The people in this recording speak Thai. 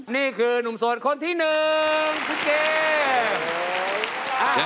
นี่คือนุ่มโสดคนที่หนึ่งคุณเกม